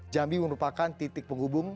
jambi merupakan titik penghubung